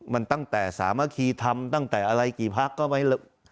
มันตั้งแต่สามัคคีทำตั้งแต่อะไรกี่พักก็ไม่